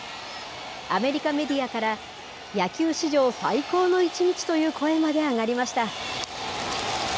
アメリカメディアから、野球史上最高の１日という声まで上がりました。